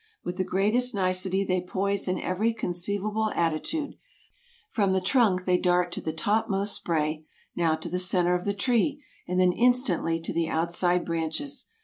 With the greatest nicety they poise in every conceivable attitude; from the trunk they dart to the topmost spray, now to the center of the tree and then instantly to the outside branches.